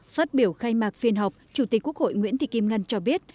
phát biểu khai mạc phiên họp chủ tịch quốc hội nguyễn thị kim ngân cho biết